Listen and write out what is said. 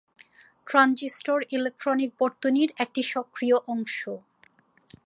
Transistor electronic বর্তনীর একটি সক্রিয় অংশ।